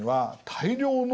大量の？